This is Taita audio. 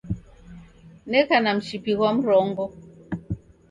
Neka na mshipi ghwa mrongo